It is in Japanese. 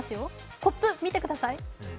コップ、見てください。